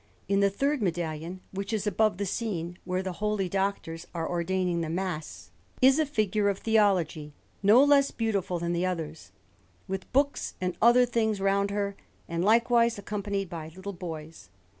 In the third medallion, which is above the scene where the Holy Doctors are ordaining the Mass, is a figure of Theology, no less beautiful than the others, with books and other things round her, and likewise accompanied by little boys.